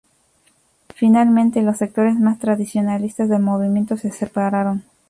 Finalmente, los sectores más tradicionalistas del movimiento se separaron.